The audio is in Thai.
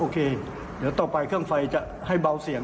เดี๋ยวต่อไปเครื่องไฟจะให้เบาเสี่ยง